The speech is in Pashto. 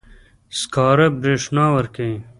سکاره برېښنا ورکوي.